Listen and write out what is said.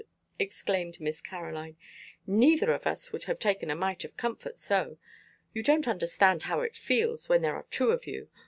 exclaimed Miss Caroline, "Neither of us would have taken a mite of comfort so. You don't understand how it feels when there are two of you.